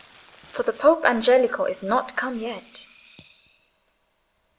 For the Pope Angelico is not come yet.